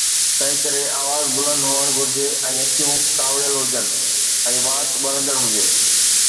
تنهن ڪري آواز بلند هئڻ گهرجي ۽ اکيون ڪاوڙيل هجن ۽ وات ٻرندڙ هجي.